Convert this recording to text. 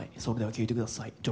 それでは聴いてください